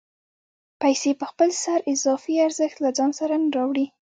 پیسې په خپل سر اضافي ارزښت له ځان سره نه راوړي